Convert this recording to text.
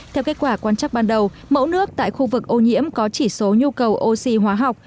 theo kết quả quan chắc ban đầu mẫu nước tại khu vực ô nhiễm có chỉ số nhu cầu oxy hóa học